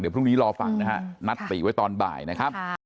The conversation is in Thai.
พรุ่งนี้รอฟังนะฮะนัดติไว้ตอนบ่ายนะครับ